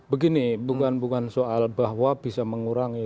begini bukan soal bahwa bisa mengurangi